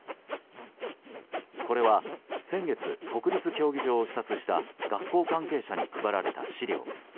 これは先月国立競技場を視察した学校関係者に配られた資料。